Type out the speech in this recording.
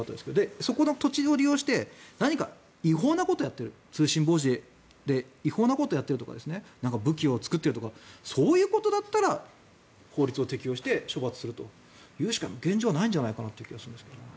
そこの土地を利用して何か違法なことをやっている通信傍受で違法なことをやっているとか武器を作っているとかそういうことだったら法律を適用して処罰するというしか現状はないんじゃないかという気がします。